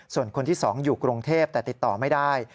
ส่วนคนที่๒อยู่กรุงเทพแต่ติดต่อไม่ได้